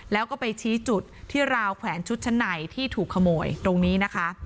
แล้วก็ไปชี้จุดที่ราวแขวนชุดชั้นในที่ถูกขโมยตรงนี้นะคะ